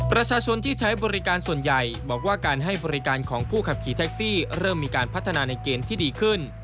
ร่ชชนที่ใช้บริการส่วนใหญ่